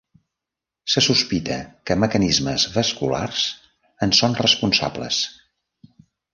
Se sospita que mecanismes vasculars en són responsables.